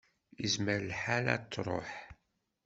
Izmer lḥal ad d-tṛuḥ.